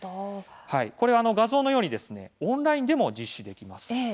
これは、画像のようにオンラインでも実施できます。